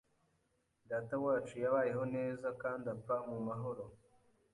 Datawacu yabayeho neza kandi apfa mu mahoro.